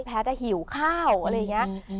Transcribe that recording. แพทย์อะหิวข้าวอะไรอย่างเงี้ย